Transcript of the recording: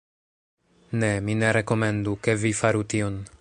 Ne, mi ne rekomendu, ke vi faru tion.